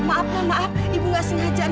aku harus mencari penyelesaian